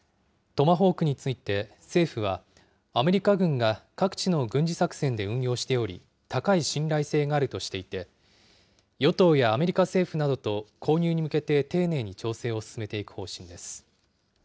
トマホークについて政府は、アメリカ軍が各地の軍事作戦で運用しており、高い信頼性があるとしていて、与党やアメリカ政府などと購入に向けて丁寧に調整を進めていく方針です。